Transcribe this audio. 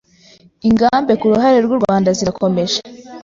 ingambe ku ruhande rw’u Rwanda zirakomeje.